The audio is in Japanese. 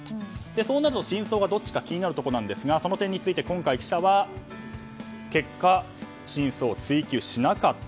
そうなると真相はどっちか気になるところですがその点について今回、記者は結果、真相を追及しなかった。